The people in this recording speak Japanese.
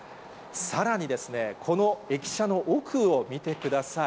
さらに、この駅舎の奥を見てください。